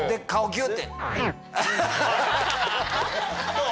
どう？